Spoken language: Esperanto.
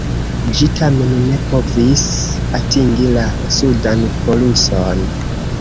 Ĝi tamen ne provis atingi la sudan poluson.